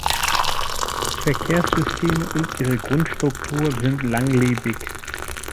Verkehrssysteme und ihre Grundstruktur sind langlebig.